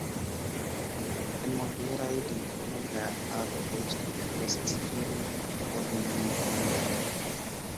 En moderaj regionoj la arbusto kreskas kiel ornamplanto.